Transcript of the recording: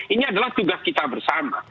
ini adalah tugas kita bersama